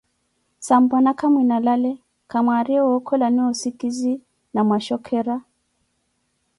sampwana kamwinalale, kwamwaariye wookholani osikizi na mwa wooshokera?